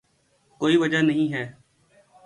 کوئی وجہ نہیں ہے۔